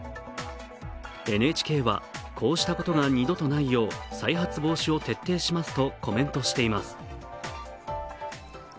ＮＨＫは、こうしたことが二度とないよう再発防止を徹底しますとコメントしています。